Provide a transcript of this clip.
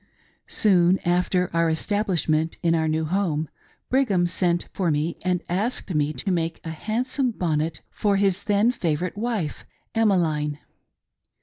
Soon after our establishment in our new home, Brigham sent for me and asked me to make a handsome bonnet for his then favorite wife Emmeline.